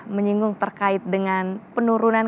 menyinggung terkait dengan penurunan